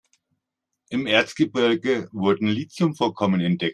Im Erzgebirge wurden Lithium-Vorkommen entdeckt.